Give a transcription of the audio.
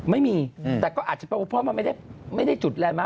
ไม่มีแต่ก็อาจจะเป็นเพราะมันไม่ได้จุดแลนดมา